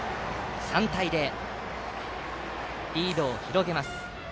３対０とリードを広げます。